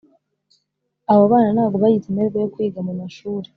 abo bana nago bagize amahirwe yo kuyiga mu mashuli